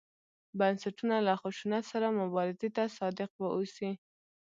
بنسټونه له خشونت سره مبارزې ته صادق واوسي.